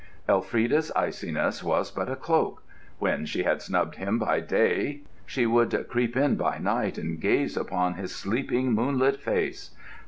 Elfrida's iciness was but a cloak. When she had snubbed him by day, she would creep in by night and gaze upon his sleeping, moonlit face!